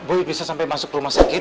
boleh bisa sampai masuk rumah sakit